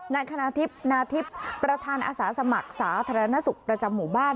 นายคณาทิพย์นาทิพย์ประธานอาสาสมัครสาธารณสุขประจำหมู่บ้าน